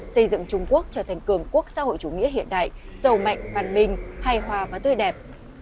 xây dựng trung quốc trở thành cường quốc xã hội chủ nghĩa hiện đại giàu mạnh văn minh hài hòa và tươi đẹp